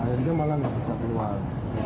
akhirnya malah nggak bisa keluar